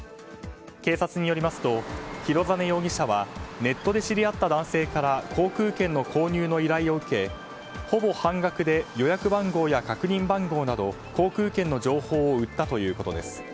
警察によりますと広実容疑者はネットで知り合った男性から航空券の購入の依頼を受けほぼ半額で予約番号や確認番号など航空券の情報を売ったということです。